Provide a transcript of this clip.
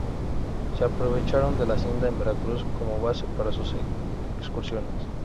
Se aprovecharon de la hacienda en Veracruz como base para sus excursiones.